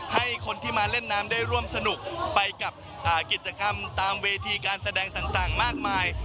ให้คนที่มาเล่นน้ำได้ร่วมสนุกไปกับกิจกรรมตามเวทีการแสดงต่างมากมาย